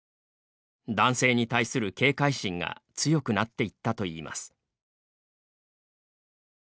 男性に対する警戒心が強くなっていったといいます。